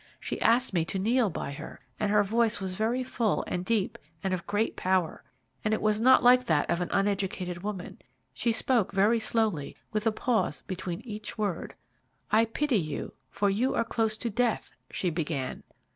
She asked me to kneel by her, and her voice was very full, and deep, and of great power; it was not like that of an uneducated woman. She spoke very slowly, with a pause between each word. "'I pity you, for you are close to death,' she began.